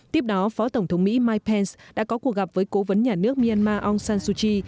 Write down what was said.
tiếp đó phó tổng thống mỹ mike pence đã có cuộc gặp với cố vấn nhà nước myanmar aung san suu kyi